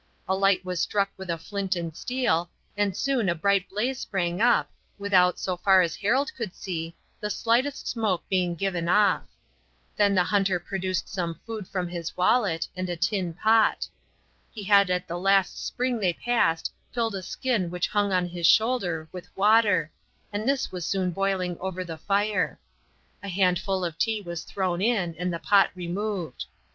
A light was struck with a flint and steel, and soon a bright blaze sprang up, without, so far as Harold could see, the slightest smoke being given off. Then the hunter produced some food from his wallet, and a tin pot. He had at the last spring they passed filled a skin which hung on his shoulder with water, and this was soon boiling over the fire. A handful of tea was thrown in and the pot removed.